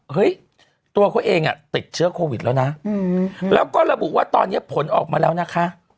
ตัวเขาเองติดเชื้อโควิดแล้วนะแล้วก็ระบุว่าตอนนี้ผลออกมาแล้วนะคะ